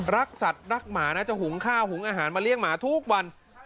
รักสัตว์รักหมานะจะหุงข้าวหุงอาหารมาเลี้ยงหมาทุกวัน